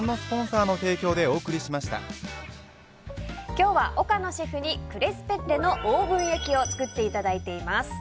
今日は岡野シェフにクレスペッレのオーブン焼きを作っていただいています。